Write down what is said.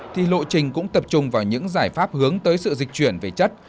thì lộ trình cũng tập trung vào những giải pháp hướng tới sự dịch chuyển về chất